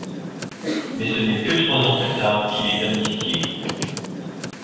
Mais ce n’est que trois ans plus tard qu’il est amnistié.